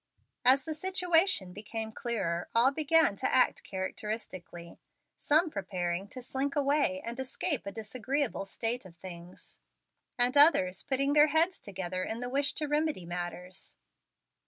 As the situation became clearer, all began to act characteristically, some preparing to slink away and escape a disagreeable state of things, and others putting their heads together in the wish to remedy matters.